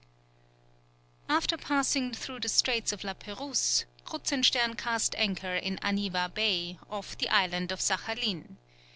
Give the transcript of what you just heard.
After passing through the Straits of La Pérouse, Kruzenstern cast anchor in Aniwa Bay, off the island of Saghalien.